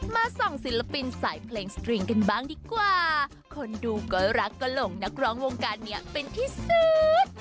มาส่องศิลปินสายเพลงสตริงกันบ้างดีกว่าคนดูก็รักก็หลงนักร้องวงการนี้เป็นที่สุด